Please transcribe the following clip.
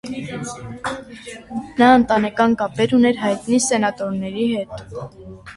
Նա ընտանեկան կապեր ուներ հայտնի սենատորների հետ։